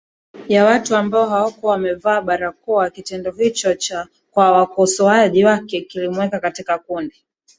ya watu ambao hawakuwa wamevaa barakoaKitendo hicho kwa wakosoaji wake kilimweka katika kundi